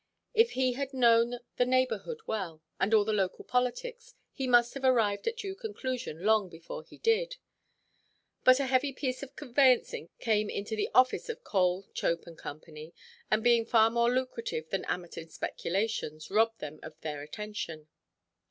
If he had known the neighbourhood well, and all the local politics, he must have arrived at due conclusion long before he did. But a heavy piece of conveyancing came into the office of Cole, Chope, and Co., and, being far more lucrative than amateur speculations, robbed them of their attention.